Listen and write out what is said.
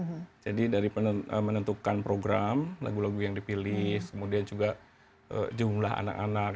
ya jadi dari menentukan program lagu lagu yang dipilih kemudian juga jumlah anak anak